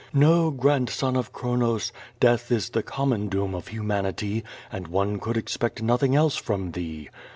No, grandson of Chronos, death is the common doom of humanity, and one could expect noth ing else from thee.